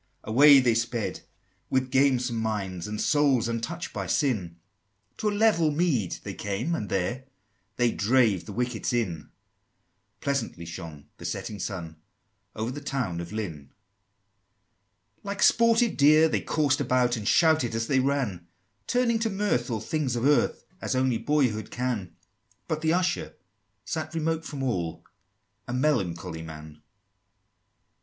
II. Away they sped with gamesome minds, And souls untouch'd by sin; To a level mead they came, and there They drave the wickets in: Pleasantly shone the setting sun Over the town of Lynn. III. Like sportive deer they coursed about, And shouted as they ran, Turning to mirth all things of earth, As only boyhood can; But the Usher sat remote from all, A melancholy man!